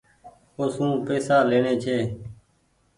اوسون پئيسا ليڻي ڇي۔